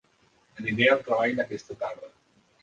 Aniré al treball aquesta tarda.